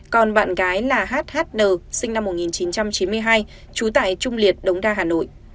còn bạn gái là hát hát nờ sinh năm một nghìn chín trăm chín mươi hai chú tại trung liệt đống đa hà nội